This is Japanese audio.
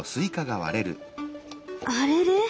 あれれ？